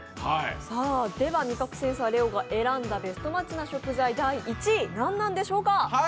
味覚センサーレオが選んだベストマッチな食材第１位、何なんでしょうか？